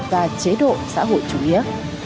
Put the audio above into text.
và chế độ xã hội chủ nghĩa